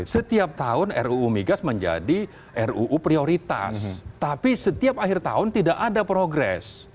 setiap tahun ruu migas menjadi ruu prioritas tapi setiap akhir tahun tidak ada progres